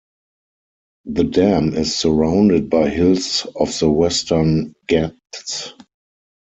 The dam is surrounded by hills of the Western Ghats.